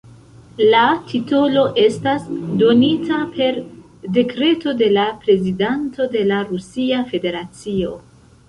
La titolo estas donita per dekreto de la prezidanto de la Rusia Federacio.